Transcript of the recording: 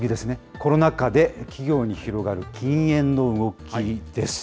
コロナ禍で企業に広がる禁煙の動きです。